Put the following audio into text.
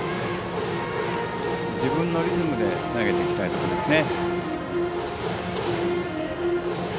自分のリズムで投げていきたいところですね。